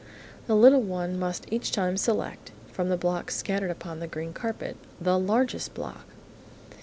The little one must each time select, from the blocks scattered upon the green carpet, "the largest" block.